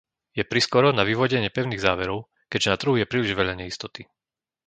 Je priskoro na vyvodenie pevných záverov, keďže na trhu je príliš veľa neistoty.